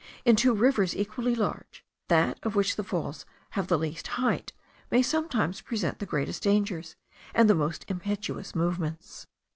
In two rivers equally large, that of which the falls have least height may sometimes present the greatest dangers and the most impetuous movements.